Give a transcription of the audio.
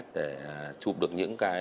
để chụp được những cái